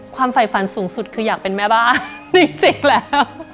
ฝ่ายฝันสูงสุดคืออยากเป็นแม่บ้านจริงแล้ว